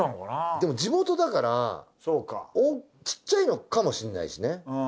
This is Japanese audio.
でも地元だからちっちゃいのかもしれないしね。